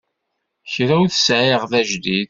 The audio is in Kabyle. Kra ur t-sεiɣ d ajdid.